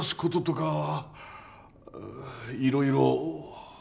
いろいろ。